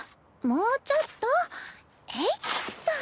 もうちょっと。えいっと！